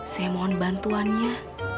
saya mohon bantuan ya